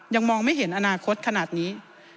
มองไม่เห็นอนาคตขนาดนี้